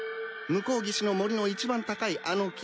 向こう岸の森の一番高いあの木。